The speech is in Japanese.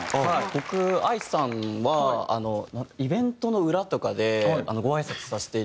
僕ＡＩさんはイベントの裏とかでごあいさつさせていただいて。